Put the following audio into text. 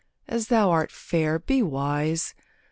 as thou art fair be wise.